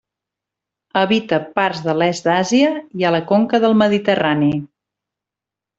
Habita parts de l'est d'Àsia i a la conca del Mediterrani.